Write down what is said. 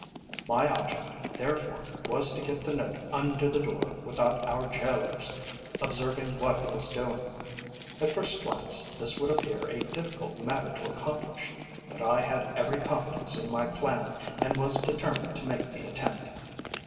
My object, therefore, was to get the note under the door without our gaolers observing what I was doing. At first glance this would appear a difficult matter to accomplish, but I had every confidence in my plan, and was determined to make the attempt.